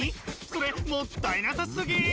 それもったいなさすぎ！